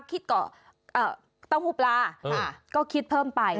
คิดก่อนตาหรือปลาก็คิดเพิ่มไป